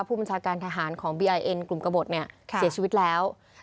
ผู้บัญชาการทหารของบีไอเอ็นกลุ่มกระบดเนี่ยเสียชีวิตแล้ว